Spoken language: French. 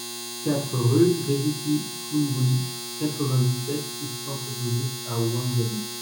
quatre rue Riziki Foungoulie, quatre-vingt-dix-sept, six cent soixante-dix à Ouangani